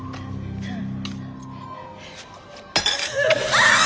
あっ！